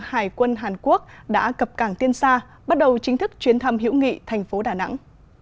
hải quân hàn quốc đã cập cảng tiên sa bắt đầu chính thức chuyến thăm hiểu nghị thành phố đà nẵng